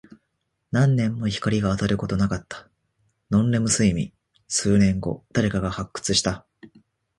何年も光が当たることなかった。ノンレム睡眠。数年後、誰かが発掘した。